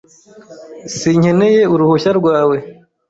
S Sinkeneye uruhushya rwawe .